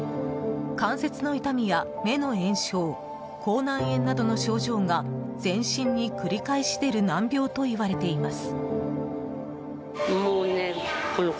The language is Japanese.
関節の痛みや目の炎症口内炎などの症状が全身に繰り返し出る難病といわれています。